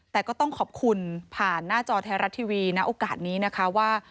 แต่ก็ต้องขอบคุณผ่านหน้าจอไทยรัฐทีวีณโอกาสนี้นะคะว่า